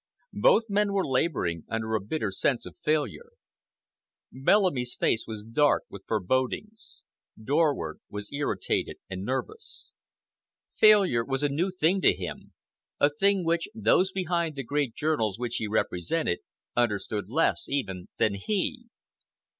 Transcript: Both men were laboring under a bitter sense of failure. Bellamy's face was dark with forebodings; Dorward was irritated and nervous. Failure was a new thing to him—a thing which those behind the great journals which he represented understood less, even, than he.